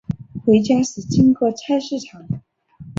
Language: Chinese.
回家时经过菜市场